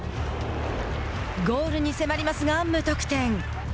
ゴールに迫りますが、無得点。